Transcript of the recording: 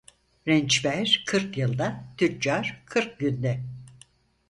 Rençper kırk yılda, tüccar kırk günde.